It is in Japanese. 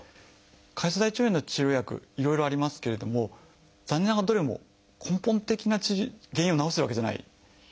潰瘍性大腸炎の治療薬いろいろありますけれども残念ながらどれも根本的な原因を治してるわけじゃない。